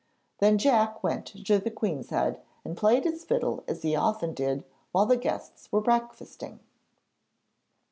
Then Jack went to the Queen's Head, and played his fiddle as he often did, while the guests were breakfasting.